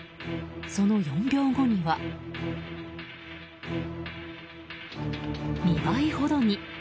その４秒後には２倍ほどに。